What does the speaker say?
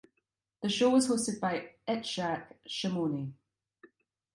The show was hosted by Itzhak Shimoni.